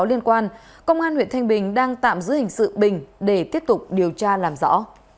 liên quan công an huyện thanh bình đang tạm giữ hình sự bình để tiếp tục điều tra làm rõ